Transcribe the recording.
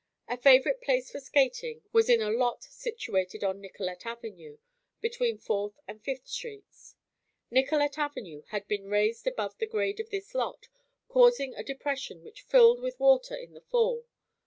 A favorite place for skating was in a lot situated on Nicollet Avenue between Fourth and Fifth Streets. Nicollet Avenue had been raised above the grade of this lot, causing a depression which filled with water in the fall.